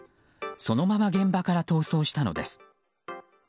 そのまま現場から逃走したのです。